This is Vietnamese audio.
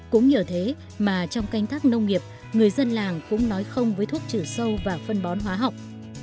cũng nhờ thế mà trong canh tác nông nghiệp người dân làng cũng nói không với thuốc trừ sâu và phân bón hóa học